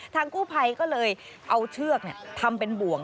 ทางกู้ไพก็เลยเอาเชือก์ทำเป็นบ่วง